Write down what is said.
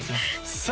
さあ